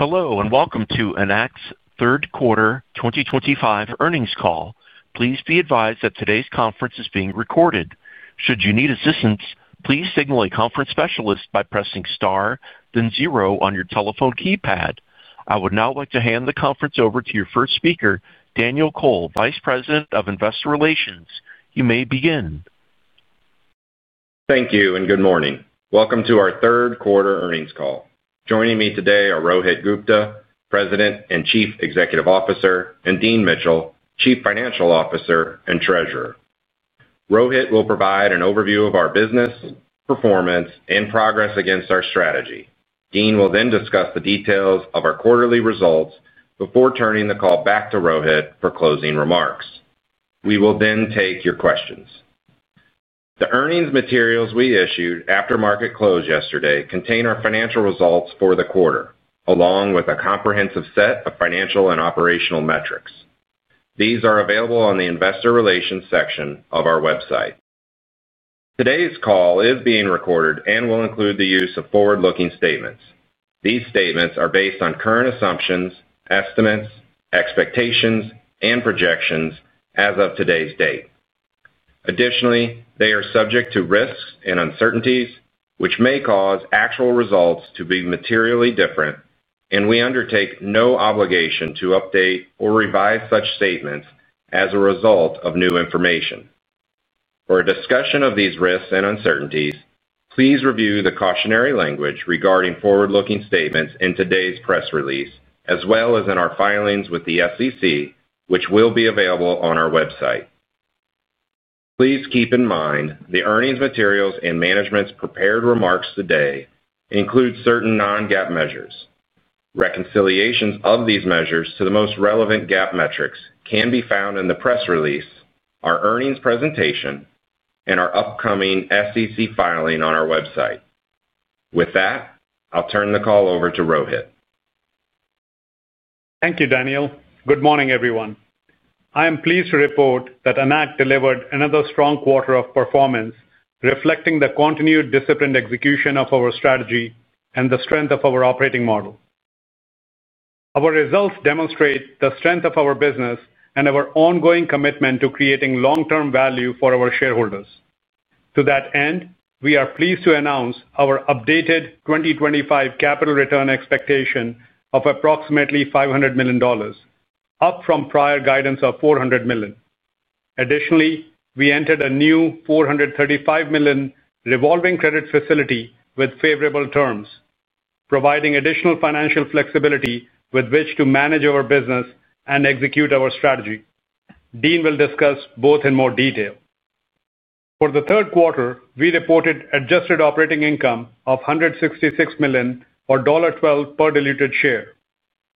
Hello and welcome to Enact's third quarter 2025 earnings call. Please be advised that today's conference is being recorded. Should you need assistance, please signal a conference specialist by pressing star, then zero on your telephone keypad. I would now like to hand the conference over to your first speaker, Daniel Kohl, Vice President of Investor Relations. You may begin. Thank you and good morning. Welcome to our third quarter earnings call. Joining me today are Rohit Gupta, President and Chief Executive Officer, and Dean Mitchell, Chief Financial Officer and Treasurer. Rohit will provide an overview of our business, performance, and progress against our strategy. Dean will then discuss the details of our quarterly results before turning the call back to Rohit for closing remarks. We will then take your questions. The earnings materials we issued after market close yesterday contain our financial results for the quarter, along with a comprehensive set of financial and operational metrics. These are available on the investor relations section of our website. Today's call is being recorded and will include the use of forward-looking statements. These statements are based on current assumptions, estimates, expectations, and projections as of today's date. Additionally, they are subject to risks and uncertainties, which may cause actual results to be materially different, and we undertake no obligation to update or revise such statements as a result of new information. For a discussion of these risks and uncertainties, please review the cautionary language regarding forward-looking statements in today's press release, as well as in our filings with the SEC, which will be available on our website. Please keep in mind the earnings materials and management's prepared remarks today include certain non-GAAP measures. Reconciliations of these measures to the most relevant GAAP metrics can be found in the press release, our earnings presentation, and our upcoming SEC filing on our website. With that, I'll turn the call over to Rohit. Thank you, Daniel. Good morning, everyone. I am pleased to report that Enact delivered another strong quarter of performance, reflecting the continued disciplined execution of our strategy and the strength of our operating model. Our results demonstrate the strength of our business and our ongoing commitment to creating long-term value for our shareholders. To that end, we are pleased to announce our updated 2025 capital return expectation of approximately $500 million, up from prior guidance of $400 million. Additionally, we entered a new $435 million revolving credit facility with favorable terms, providing additional financial flexibility with which to manage our business and execute our strategy. Dean will discuss both in more detail. For the third quarter, we reported adjusted operating income of $166 million or $1.20 per diluted share.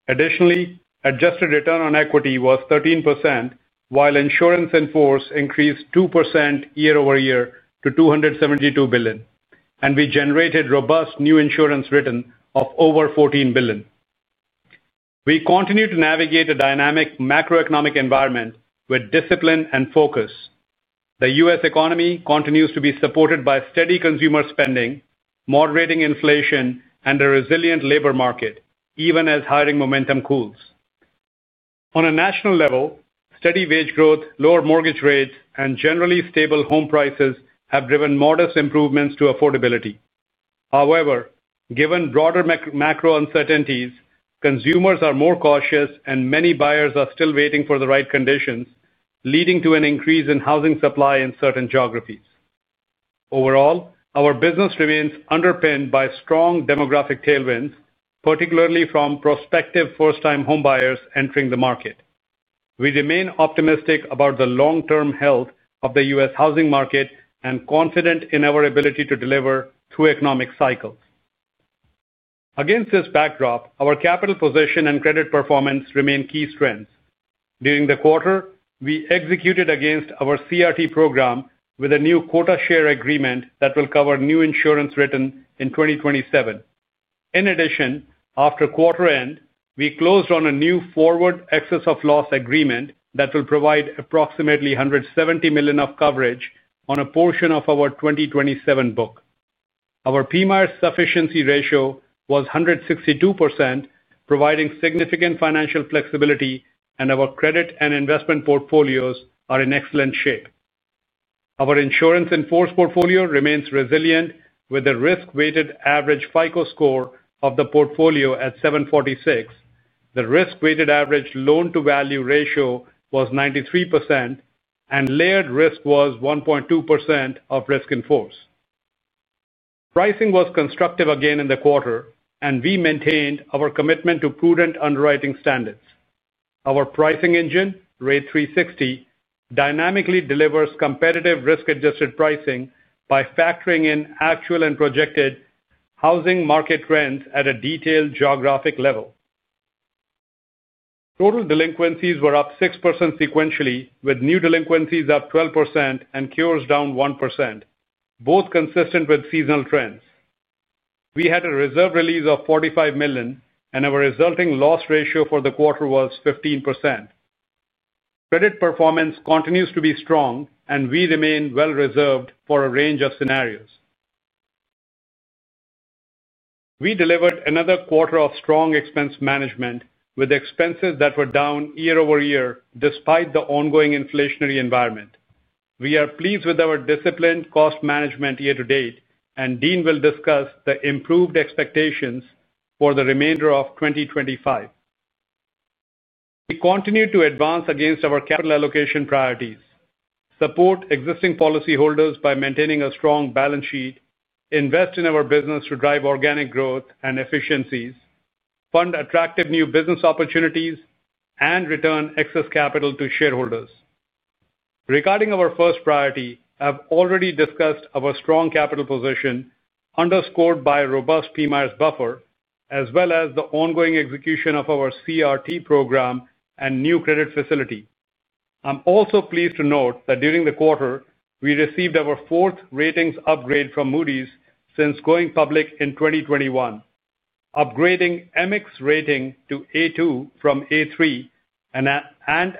Additionally, adjusted return on equity was 13%, while insurance in force increased 2% year-over-year to $272 billion, and we generated robust new insurance written of over $14 billion. We continue to navigate a dynamic macroeconomic environment with discipline and focus. The U.S. economy continues to be supported by steady consumer spending, moderating inflation, and a resilient labor market, even as hiring momentum cools. On a national level, steady wage growth, lower mortgage rates, and generally stable home prices have driven modest improvements to affordability. However, given broader macro uncertainties, consumers are more cautious, and many buyers are still waiting for the right conditions, leading to an increase in housing supply in certain geographies. Overall, our business remains underpinned by strong demographic tailwinds, particularly from prospective first-time homebuyers entering the market. We remain optimistic about the long-term health of the U.S. Housing market and confident in our ability to deliver through economic cycles. Against this backdrop, our capital position and credit performance remain key strengths. During the quarter, we executed against our CRT program with a new quota share agreement that will cover new insurance written in 2027. In addition, after quarter-end, we closed on a new forward excess of loss agreement that will provide approximately $170 million of coverage on a portion of our 2027 book. Our PMIERs sufficiency ratio was 162%, providing significant financial flexibility, and our credit and investment portfolios are in excellent shape. Our insurance in force portfolio remains resilient with a risk-weighted average FICO score of the portfolio at 746. The risk-weighted average loan-to-value ratio was 93%, and layered risk was 1.2% of risk in force. Pricing was constructive again in the quarter, and we maintained our commitment to prudent underwriting standards. Our pricing engine, Rate 360, dynamically delivers competitive risk-adjusted pricing by factoring in actual and projected housing market trends at a detailed geographic level. Total delinquencies were up 6% sequentially, with new delinquencies up 12% and cures down 1%, both consistent with seasonal trends. We had a reserve release of $45 million, and our resulting loss ratio for the quarter was 15%. Credit performance continues to be strong, and we remain well-reserved for a range of scenarios. We delivered another quarter of strong expense management with expenses that were down year-over-year despite the ongoing inflationary environment. We are pleased with our disciplined cost management year to date, and Dean will discuss the improved expectations for the remainder of 2025. We continue to advance against our capital allocation priorities: support existing policyholders by maintaining a strong balance sheet, invest in our business to drive organic growth and efficiencies, fund attractive new business opportunities, and return excess capital to shareholders. Regarding our first priority, I've already discussed our strong capital position. Underscored by a robust PMIERs buffer, as well as the ongoing execution of our Credit Risk Transfer program and new credit facility. I'm also pleased to note that during the quarter, we received our fourth ratings upgrade from Moody's since going public in 2021, upgrading MI rating to A2 from A3 and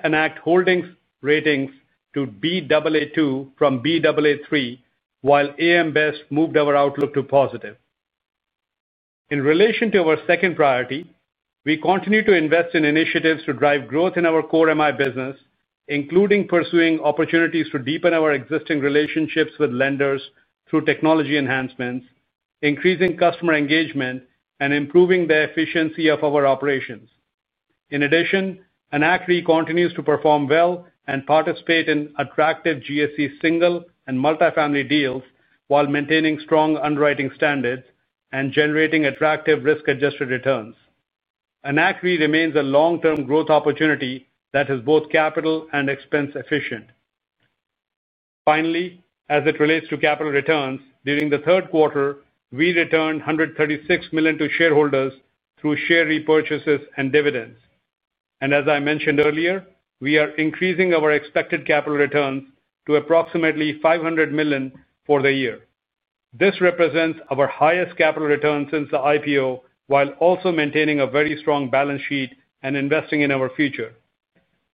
Enact Holdings ratings to Baa2 from Baa3, while AM Best moved our outlook to positive. In relation to our second priority, we continue to invest in initiatives to drive growth in our core MI business, including pursuing opportunities to deepen our existing relationships with lenders through technology enhancements, increasing customer engagement, and improving the efficiency of our operations. In addition, Enact Re continues to perform well and participate in attractive GSE single and multifamily deals while maintaining strong underwriting standards and generating attractive risk-adjusted returns. Enact Re remains a long-term growth opportunity that is both capital and expense-efficient. Finally, as it relates to capital returns, during the third quarter, we returned $136 million to shareholders through share repurchases and dividends. As I mentioned earlier, we are increasing our expected capital returns to approximately $500 million for the year. This represents our highest capital return since the IPO, while also maintaining a very strong balance sheet and investing in our future.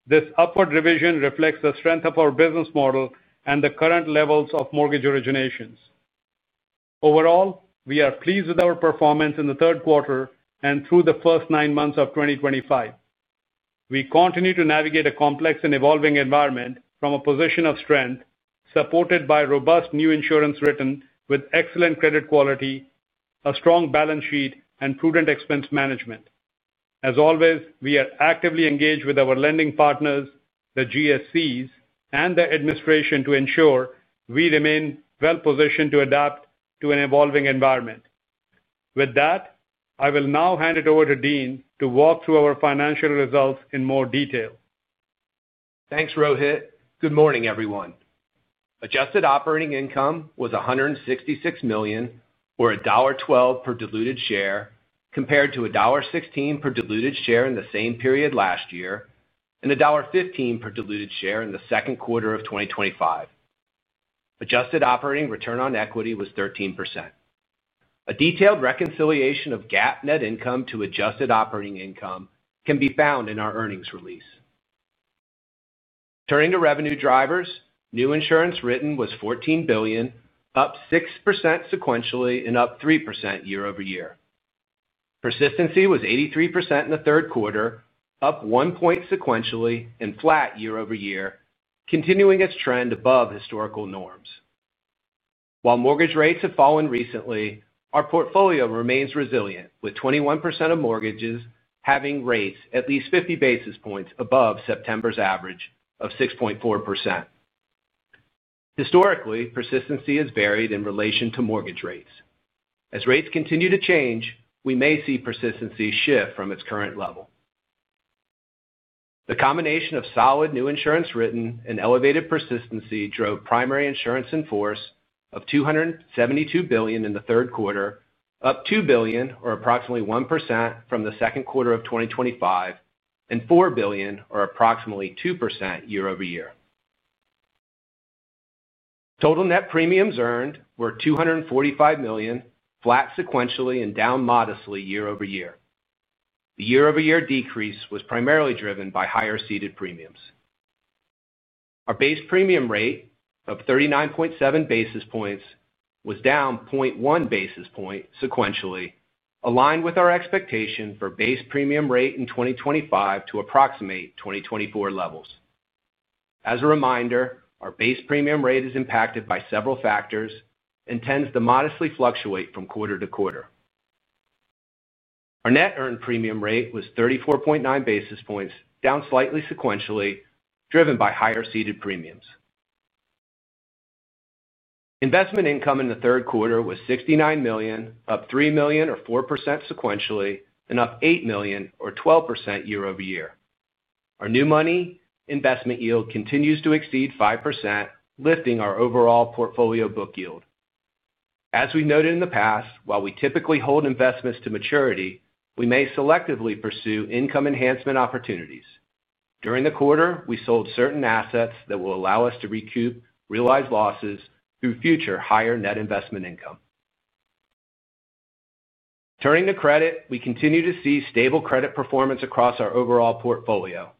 This upward revision reflects the strength of our business model and the current levels of mortgage originations. Overall, we are pleased with our performance in the third quarter and through the first nine months of 2025. We continue to navigate a complex and evolving environment from a position of strength, supported by robust new insurance written with excellent credit quality, a strong balance sheet, and prudent expense management. As always, we are actively engaged with our lending partners, the GSEs, and the administration to ensure we remain well-positioned to adapt to an evolving environment. With that, I will now hand it over to Dean to walk through our financial results in more detail. Thanks, Rohit. Good morning, everyone. Adjusted operating income was $166 million, or $1.12 per diluted share, compared to $1.16 per diluted share in the same period last year and $1.15 per diluted share in the second quarter of 2025. Adjusted operating return on equity was 13%. A detailed reconciliation of GAAP net income to adjusted operating income can be found in our earnings release. Turning to revenue drivers, new insurance written was $14 billion, up 6% sequentially and up 3% year-over-year. Persistency was 83% in the third quarter, up 1 point sequentially and flat year-over-year, continuing its trend above historical norms. While mortgage rates have fallen recently, our portfolio remains resilient, with 21% of mortgages having rates at least 50 basis points above September's average of 6.4%. Historically, persistency has varied in relation to mortgage rates. As rates continue to change, we may see persistency shift from its current level. The combination of solid new insurance written and elevated persistency drove primary insurance in force of $272 billion in the third quarter, up $2 billion, or approximately 1%, from the second quarter of 2025, and $4 billion, or approximately 2%, year-over-year. Total net premiums earned were $245 million, flat sequentially and down modestly year-over-year. The year-over-year decrease was primarily driven by higher ceded premiums. Our base premium rate of 39.7 basis points was down 0.1 basis points sequentially, aligned with our expectation for base premium rate in 2025 to approximate 2024 levels. As a reminder, our base premium rate is impacted by several factors and tends to modestly fluctuate from quarter to quarter. Our net earned premium rate was 34.9 basis points, down slightly sequentially, driven by higher ceded premiums. Investment income in the third quarter was $69 million, up $3 million, or 4% sequentially, and up $8 million, or 12%, year-over-year. Our new money investment yield continues to exceed 5%, lifting our overall portfolio book yield. As we noted in the past, while we typically hold investments to maturity, we may selectively pursue income enhancement opportunities. During the quarter, we sold certain assets that will allow us to recoup realized losses through future higher net investment income. Turning to credit, we continue to see stable credit performance across our overall portfolio.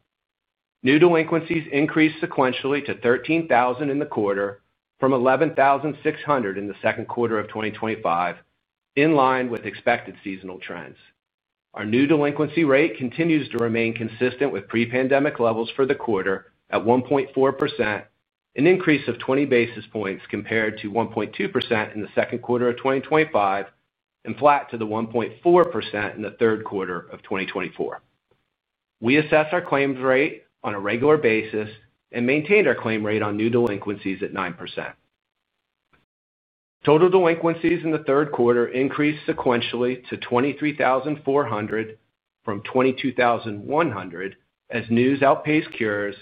New delinquencies increased sequentially to $13,000 in the quarter, from $11,600 in the second quarter of 2025, in line with expected seasonal trends. Our new delinquency rate continues to remain consistent with pre-pandemic levels for the quarter at 1.4%, an increase of 20 basis points compared to 1.2% in the second quarter of 2025, and flat to the 1.4% in the third quarter of 2024. We assess our claims rate on a regular basis and maintained our claim rate on new delinquencies at 9%. Total delinquencies in the third quarter increased sequentially to $23,400, from $22,100 as news outpaced cures,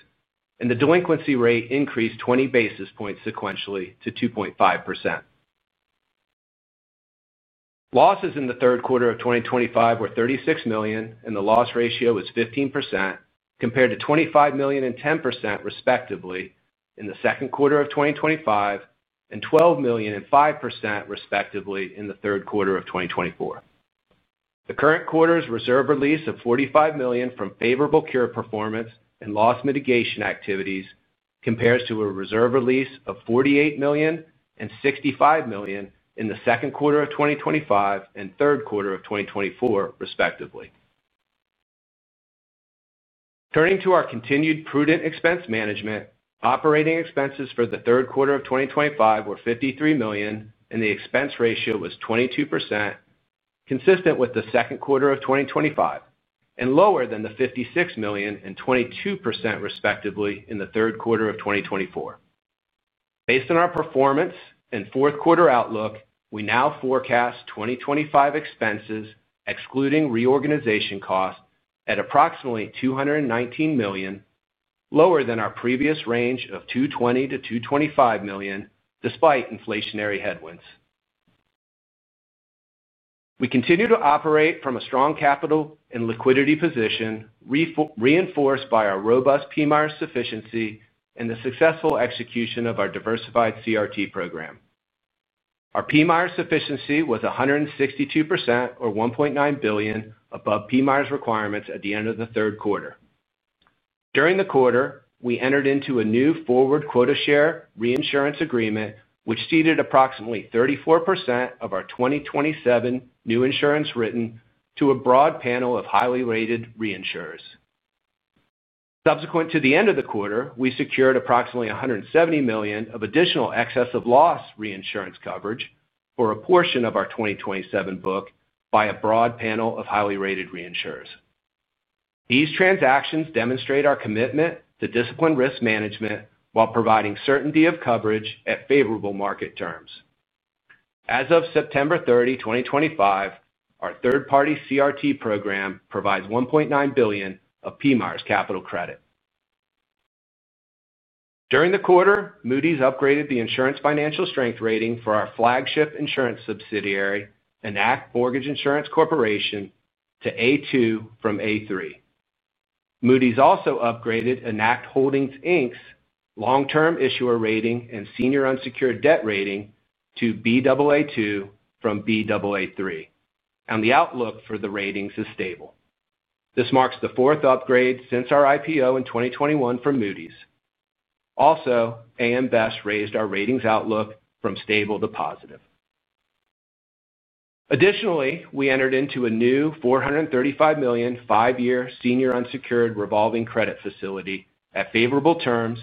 and the delinquency rate increased 20 basis points sequentially to 2.5%. Losses in the third quarter of 2025 were $36 million, and the loss ratio was 15%, compared to $25 million and 10%, respectively, in the second quarter of 2025 and $12 million and 5%, respectively, in the third quarter of 2024. The current quarter's reserve release of $45 million from favorable cure performance and loss mitigation activities compares to a reserve release of $48 million and $65 million in the second quarter of 2025 and third quarter of 2024, respectively. Turning to our continued prudent expense management, operating expenses for the third quarter of 2025 were $53 million, and the expense ratio was 22%. Consistent with the second quarter of 2025, and lower than the $56 million and 22%, respectively, in the third quarter of 2024. Based on our performance and fourth quarter outlook, we now forecast 2025 expenses, excluding reorganization costs, at approximately $219 million, lower than our previous range of $220 million-$225 million, despite inflationary headwinds. We continue to operate from a strong capital and liquidity position. Reinforced by our robust PMIERs sufficiency and the successful execution of our diversified Credit Risk Transfer program. Our PMIERs sufficiency was 162%, or $1.9 billion, above PMIERs requirements at the end of the third quarter. During the quarter, we entered into a new forward quota share reinsurance agreement, which ceded approximately 34% of our 2027 new insurance written to a broad panel of highly rated reinsurers. Subsequent to the end of the quarter, we secured approximately $170 million of additional excess of loss reinsurance coverage for a portion of our 2027 book by a broad panel of highly rated reinsurers. These transactions demonstrate our commitment to disciplined risk management while providing certainty of coverage at favorable market terms. As of September 30, 2023, our third-party CRT program provides $1.9 billion of PMIERs capital credit. During the quarter, Moody's upgraded the insurance financial strength rating for our flagship insurance subsidiary, Enact Mortgage Insurance Corporation, to A2 from A3. Moody's also upgraded Enact Holdings, Inc. long-term issuer rating and senior unsecured debt rating to Baa2 from Baa3, and the outlook for the ratings is stable. This marks the fourth upgrade since our IPO in 2021 from Moody's. Also, AM Best raised our ratings outlook from stable to positive. Additionally, we entered into a new $435 million, five-year senior unsecured revolving credit facility at favorable terms,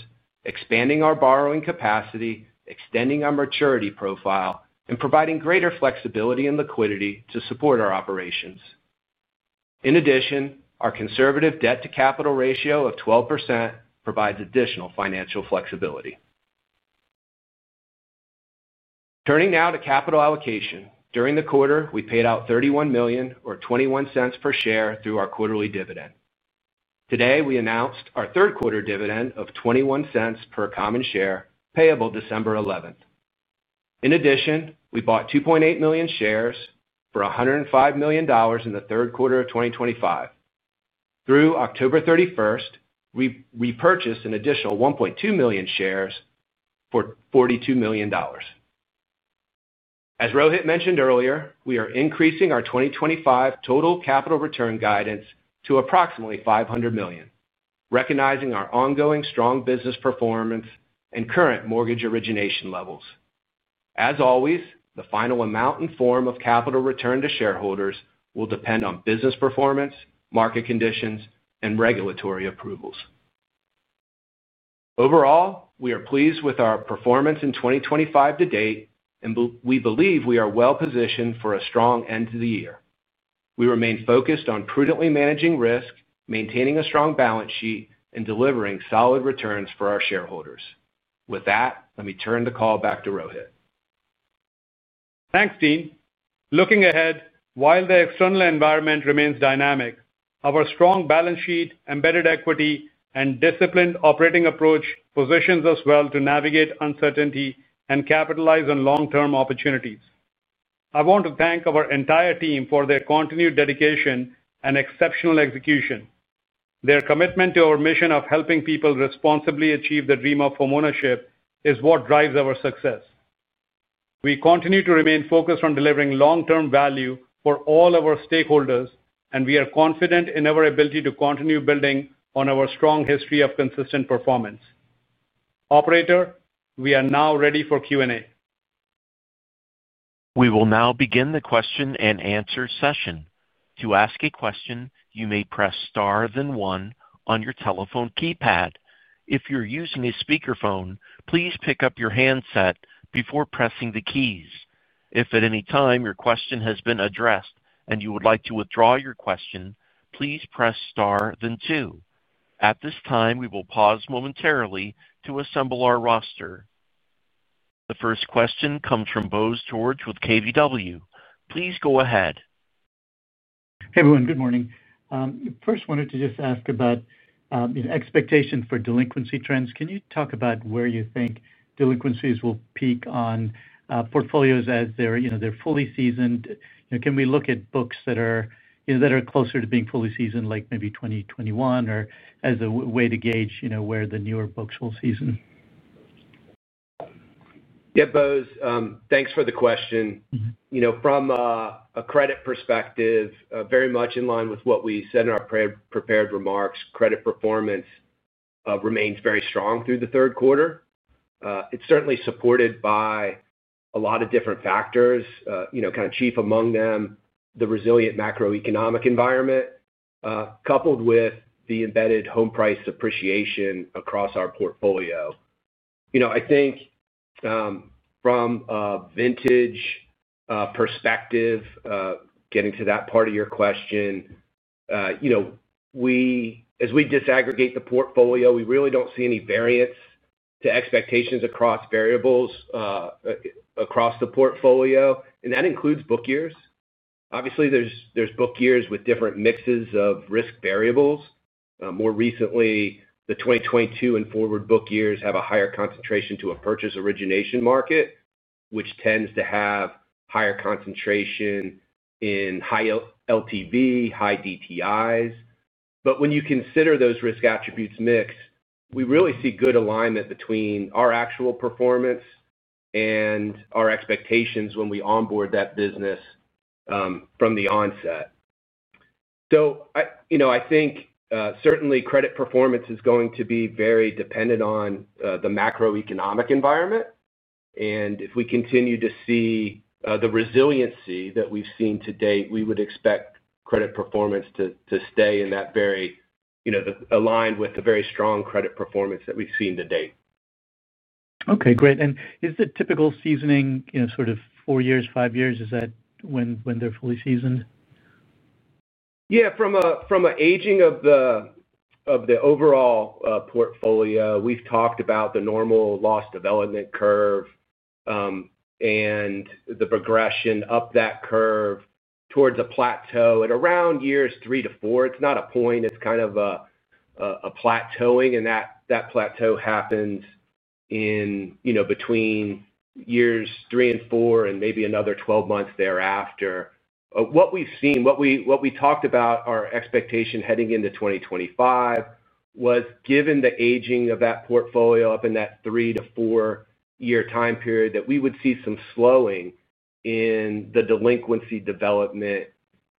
expanding our borrowing capacity, extending our maturity profile, and providing greater flexibility and liquidity to support our operations. In addition, our conservative debt-to-capital ratio of 12% provides additional financial flexibility. Turning now to capital allocation, during the quarter, we paid out $31 million, or $0.21 per share, through our quarterly dividend. Today, we announced our third-quarter dividend of $0.21 per common share, payable December 11th. In addition, we bought 2.8 million shares for $105 million in the third quarter of 2023 through October 31st. We repurchased an additional 1.2 million shares for $42 million. As Rohit mentioned earlier, we are increasing our 2025 total capital return guidance to approximately $500 million, recognizing our ongoing strong business performance and current mortgage origination levels. As always, the final amount and form of capital return to shareholders will depend on business performance, market conditions, and regulatory approvals. Overall, we are pleased with our performance in 2025 to date, and we believe we are well-positioned for a strong end of the year. We remain focused on prudently managing risk, maintaining a strong balance sheet, and delivering solid returns for our shareholders. With that, let me turn the call back to Rohit. Thanks, Dean. Looking ahead, while the external environment remains dynamic, our strong balance sheet, embedded equity, and disciplined operating approach positions us well to navigate uncertainty and capitalize on long-term opportunities. I want to thank our entire team for their continued dedication and exceptional execution. Their commitment to our mission of helping people responsibly achieve the dream of homeownership is what drives our success. We continue to remain focused on delivering long-term value for all our stakeholders, and we are confident in our ability to continue building on our strong history of consistent performance. Operator, we are now ready for Q&A. We will now begin the question and answer session. To ask a question, you may press star then one on your telephone keypad. If you're using a speakerphone, please pick up your handset before pressing the keys. If at any time your question has been addressed and you would like to withdraw your question, please press star then two. At this time, we will pause momentarily to assemble our roster. The first question comes from Bose George with KBW. Please go ahead. Hey, everyone. Good morning. First, I wanted to just ask about expectations for delinquency trends. Can you talk about where you think delinquencies will peak on portfolios as they're fully seasoned? Can we look at books that are closer to being fully seasoned, like maybe 2021, or as a way to gauge where the newer books will season? Yeah, Bose, thanks for the question. From a credit perspective, very much in line with what we said in our prepared remarks, credit performance remains very strong through the third quarter. It is certainly supported by a lot of different factors, kind of chief among them the resilient macroeconomic environment, coupled with the embedded home price appreciation across our portfolio. I think from a vintage perspective, getting to that part of your question, as we disaggregate the portfolio, we really do not see any variance to expectations across variables across the portfolio, and that includes book years. Obviously, there are book years with different mixes of risk variables. More recently, the 2022 and forward book years have a higher concentration to a purchase origination market, which tends to have higher concentration in high LTV, high DTIs. When you consider those risk attributes mixed, we really see good alignment between our actual performance and our expectations when we onboard that business from the onset. I think certainly credit performance is going to be very dependent on the macroeconomic environment. If we continue to see the resiliency that we've seen to date, we would expect credit performance to stay in that, very aligned with the very strong credit performance that we've seen to date. Okay, great. Is the typical seasoning sort of four years, five years? Is that when they're fully seasoned? Yeah, from an aging of the overall portfolio, we've talked about the normal loss development curve and the progression up that curve towards a plateau at around years three to four. It's not a point. It's kind of a plateauing, and that plateau happens between years three and four and maybe another 12 months thereafter. What we've seen, what we talked about, our expectation heading into 2025, was, given the aging of that portfolio up in that three to four-year time period, that we would see some slowing in the delinquency development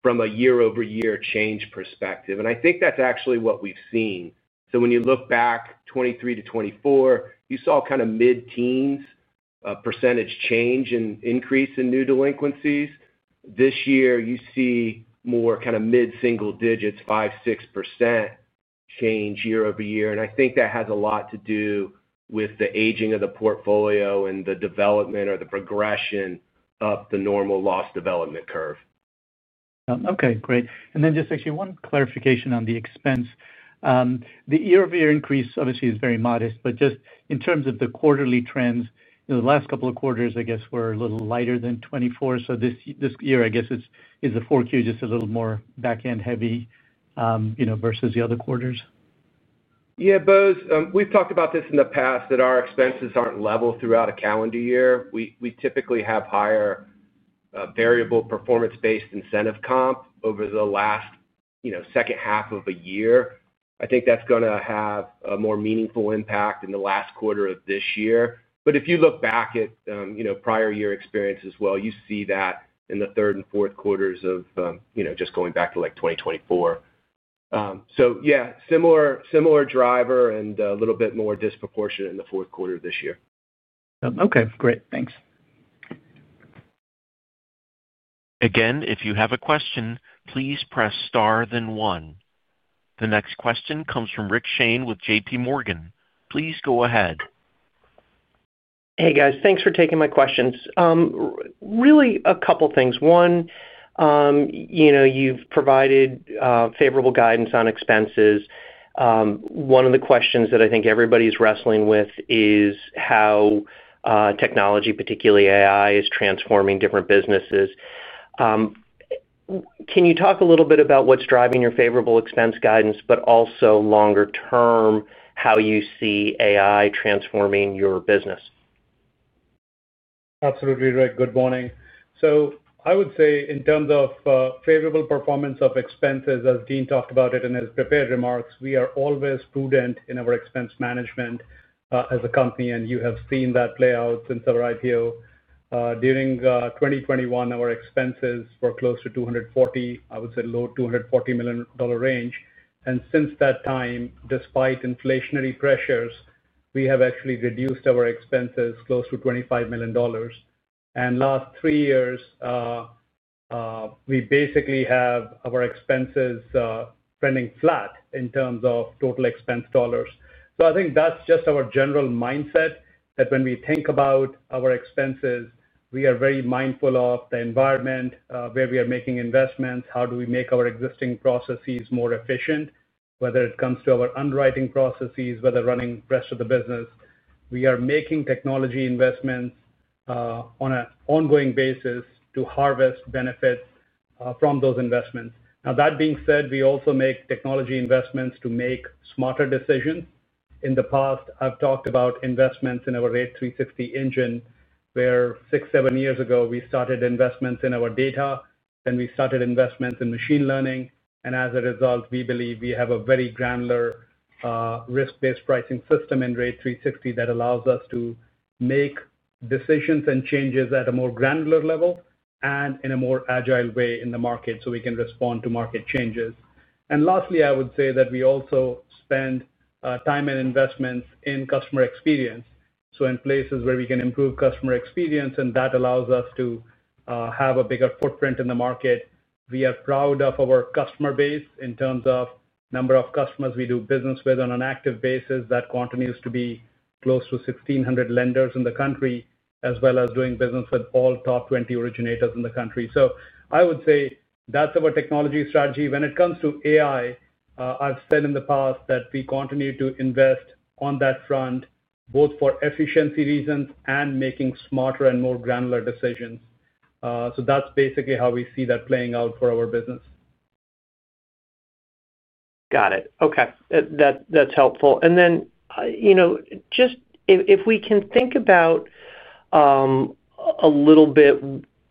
from a year-over-year change perspective. I think that's actually what we've seen. When you look back 2023 to 2024, you saw kind of mid-teens percentage change and increase in new delinquencies. This year, you see more kind of mid-single digits, 5%, 6% change year-over-year. I think that has a lot to do with the aging of the portfolio and the development or the progression of the normal loss development curve. Okay, great. Just actually one clarification on the expense. The year-over-year increase, obviously, is very modest, but just in terms of the quarterly trends, the last couple of quarters, I guess, were a little lighter than 2024. This year, I guess, is the fourth quarter just a little more back-end heavy versus the other quarters? Yeah, Bose, we've talked about this in the past, that our expenses aren't level throughout a calendar year. We typically have higher variable performance-based incentive comp over the last second half of a year. I think that's going to have a more meaningful impact in the last quarter of this year. If you look back at prior year experience as well, you see that in the third and fourth quarters of just going back to like 2024. Yeah, similar driver and a little bit more disproportionate in the fourth quarter of this year. Okay, great. Thanks. Again, if you have a question, please press star then one. The next question comes from Rick Shane with JPMorgan. Please go ahead. Hey, guys. Thanks for taking my questions. Really a couple of things. One. You've provided favorable guidance on expenses. One of the questions that I think everybody's wrestling with is how technology, particularly AI, is transforming different businesses. Can you talk a little bit about what's driving your favorable expense guidance, but also longer term, how you see AI transforming your business? Absolutely right. Good morning. I would say in terms of favorable performance of expenses, as Dean talked about it in his prepared remarks, we are always prudent in our expense management. As a company, and you have seen that play out since our IPO. During 2021, our expenses were close to $240 million, I would say low $240 million range. Since that time, despite inflationary pressures, we have actually reduced our expenses close to $25 million. In the last three years, we basically have our expenses trending flat in terms of total expense dollars. I think that is just our general mindset, that when we think about our expenses, we are very mindful of the environment where we are making investments, how do we make our existing processes more efficient, whether it comes to our underwriting processes, whether running the rest of the business. We are making technology investments. On an ongoing basis to harvest benefits from those investments. That being said, we also make technology investments to make smarter decisions. In the past, I've talked about investments in our Rate 360 engine, where six, seven years ago, we started investments in our data, then we started investments in machine learning. As a result, we believe we have a very granular, risk-based pricing system in Rate 360 that allows us to make decisions and changes at a more granular level and in a more agile way in the market so we can respond to market changes. Lastly, I would say that we also spend time and investments in customer experience. In places where we can improve customer experience, that allows us to have a bigger footprint in the market. We are proud of our customer base in terms of the number of customers we do business with on an active basis that continues to be close to 1,600 lenders in the country, as well as doing business with all top 20 originators in the country. I would say that is our technology strategy. When it comes to AI, I have said in the past that we continue to invest on that front, both for efficiency reasons and making smarter and more granular decisions. That is basically how we see that playing out for our business. Got it. Okay. That's helpful. Just if we can think about a little bit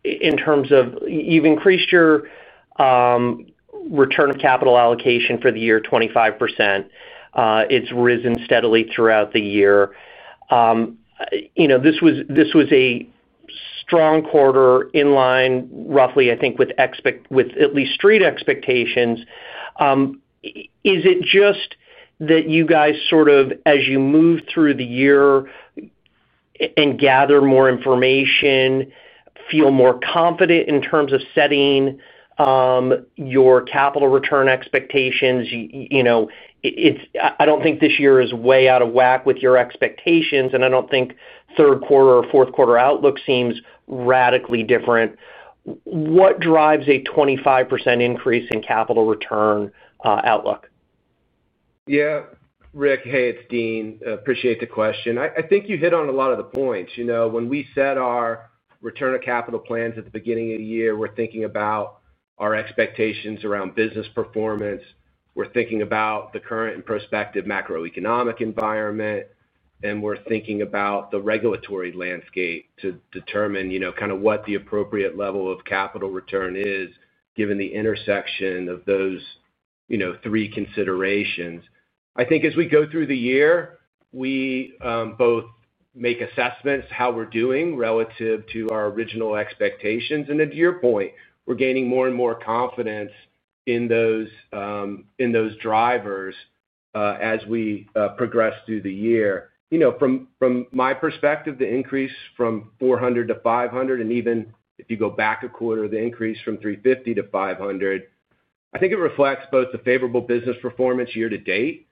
in terms of you've increased your return of capital allocation for the year 25%. It's risen steadily throughout the year. This was a strong quarter in line, roughly, I think, with at least street expectations. Is it just that you guys sort of, as you move through the year and gather more information, feel more confident in terms of setting your capital return expectations? I don't think this year is way out of whack with your expectations, and I don't think third quarter or fourth quarter outlook seems radically different. What drives a 25% increase in capital return outlook? Yeah, Rick, hey, it's Dean. Appreciate the question. I think you hit on a lot of the points. When we set our return of capital plans at the beginning of the year, we're thinking about our expectations around business performance. We're thinking about the current and prospective macroeconomic environment. We're thinking about the regulatory landscape to determine kind of what the appropriate level of capital return is, given the intersection of those three considerations. I think as we go through the year, we both make assessments of how we're doing relative to our original expectations. To your point, we're gaining more and more confidence in those drivers as we progress through the year. From my perspective, the increase from $400 to $500, and even if you go back a quarter, the increase from $350 to $500, I think it reflects both the favorable business performance year to date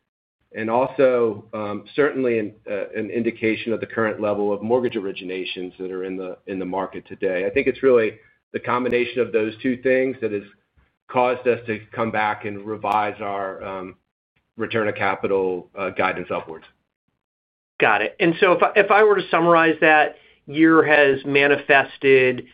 and also, certainly, an indication of the current level of mortgage originations that are in the market today. I think it's really the combination of those two things that has caused us to come back and revise our return of capital guidance upwards. Got it. If I were to summarize that, the year has manifested.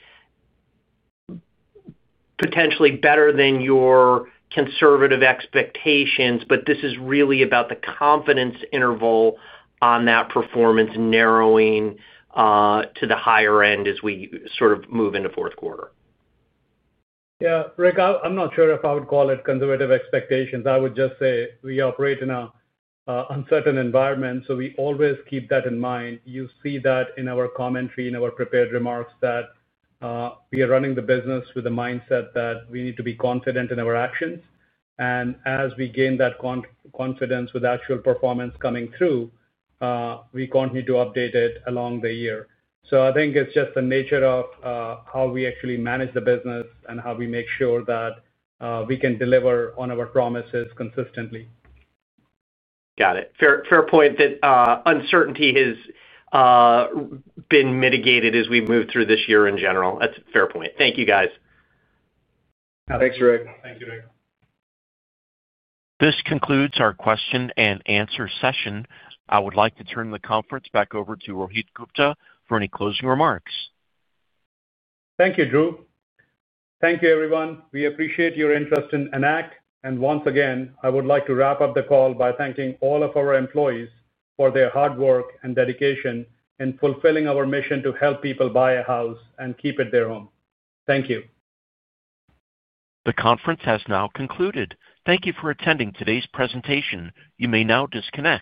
Potentially better than your conservative expectations, but this is really about the confidence interval on that performance narrowing to the higher end as we sort of move into fourth quarter. Yeah, Rick, I'm not sure if I would call it conservative expectations. I would just say we operate in an uncertain environment, so we always keep that in mind. You see that in our commentary, in our prepared remarks, that. We are running the business with a mindset that we need to be confident in our actions. And as we gain that confidence with actual performance coming through. We continue to update it along the year. I think it's just the nature of how we actually manage the business and how we make sure that. We can deliver on our promises consistently. Got it. Fair point that uncertainty has been mitigated as we move through this year in general. That's a fair point. Thank you, guys. Thank you, Rick. This concludes our question and answer session. I would like to turn the conference back over to Rohit Gupta for any closing remarks. Thank you, Drew. Thank you, everyone. We appreciate your interest in Enact. Once again, I would like to wrap up the call by thanking all of our employees for their hard work and dedication in fulfilling our mission to help people buy a house and keep it their home. Thank you. The conference has now concluded. Thank you for attending today's presentation. You may now disconnect.